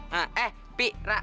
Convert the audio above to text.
hah eh pira